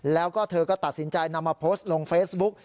แล้วก็เธอก็ตัดสินใจนำมาโพสต์ลงเฟซบุ๊ก